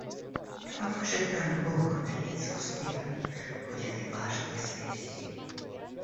Да поможет нам Бог добиться успеха в ходе этой важной сессии!